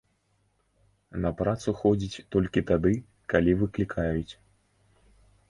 На працу ходзіць толькі тады, калі выклікаюць.